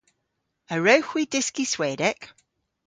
A wrewgh hwi dyski Swedek?